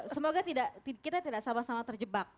semoga kita tidak sama sama terjebak